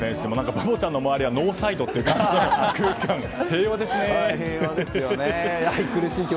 バボちゃんの周りはノーサイドっていう感じの空間で平和ですね。